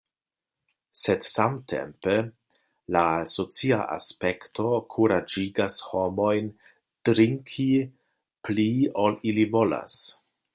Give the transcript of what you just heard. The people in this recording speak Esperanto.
Sed samtempe, la socia aspekto kuraĝigas homojn drinki pli ol ili volas.